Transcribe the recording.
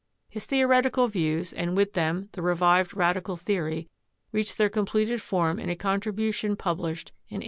His theoretical views and, with them, the revived radical theory reached their completed form in a contribution published in 1859.